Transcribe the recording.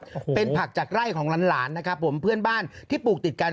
โอ้โหเป็นผักจากไร่ของหลานหลานนะครับผมเพื่อนบ้านที่ปลูกติดกัน